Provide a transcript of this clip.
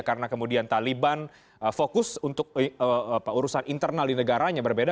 karena kemudian taliban fokus untuk urusan internal di negaranya berbeda